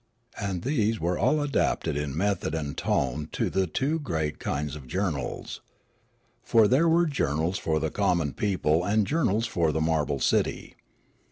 And these were all adapted in method and tone to the two great kinds of journals. For there were journals for the common people and journals for the marble city.